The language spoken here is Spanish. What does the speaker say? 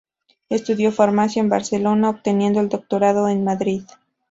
Estudió farmacia en Barcelona obteniendo el doctorado en Madrid.